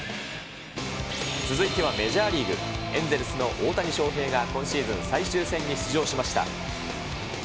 続いてはメジャーリーグ・エンゼルスの大谷翔平が、今シーズン最終戦に出場しました。